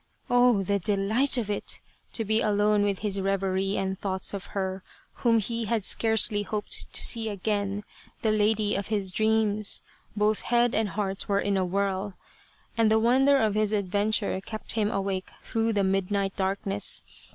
Oh, the delight of it ! To be alone with his reverie and thoughts of her, whom he had scarcely hoped to see again, the lady of his dreams ! Both head and heart were in a whirl. And the wonder of his adven ture kept him awake through the midnight darkness.